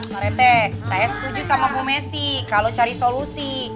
mbak rete saya setuju sama bu messi kalau cari solusi